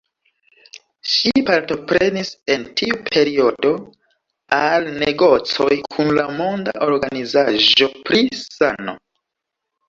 Ŝi partoprenis en tiu periodo al negocoj kun la Monda Organizaĵo pri Sano.